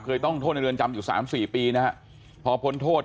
เคยต้องโทษในเรือนจำอยู่สามสี่ปีนะฮะพอพ้นโทษ